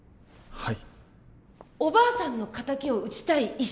はい。